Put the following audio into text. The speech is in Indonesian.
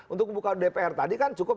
untuk membuka dpr tadi kan cukup